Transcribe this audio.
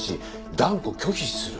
「断固拒否する」